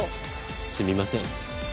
すみません。